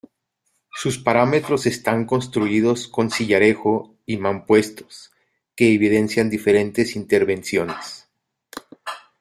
Sus paramentos están construidos con sillarejo y mampuestos, que evidencian diferentes intervenciones.